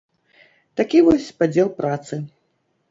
Такі вось падзел працы.